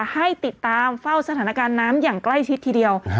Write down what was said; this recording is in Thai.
ให้ติดตามเฝ้าสถานการณ์น้ำอย่างใกล้ชิดทีเดียว